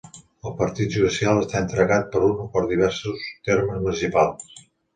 El partit judicial està integrat per un o diversos termes municipals.